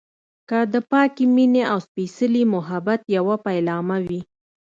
که د پاکې مينې او سپیڅلي محبت يوه پيلامه وي.